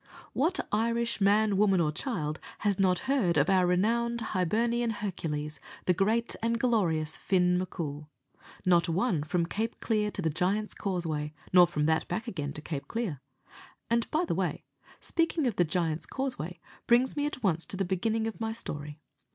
What Irish man, woman, or child has not heard of our renowned Hibernian Hercules, the great and glorious Fin M'Coul? Not one, from Cape Clear to the Giant's Causeway, nor from that back again to Cape Clear. And, by the way, speaking of the Giant's Causeway brings me at once to the beginning of my story.